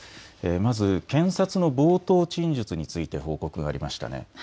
まず検察の冒頭陳述について報告がありましたね。